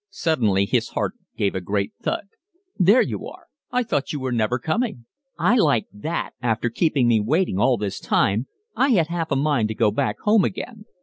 Suddenly his heart gave a great thud. "There you are. I thought you were never coming." "I like that after keeping me waiting all this time. I had half a mind to go back home again."